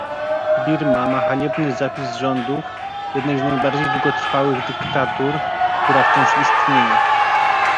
Birma ma haniebny zapis rządów jednej z najbardziej długotrwałych dyktatur, która wciąż istnieje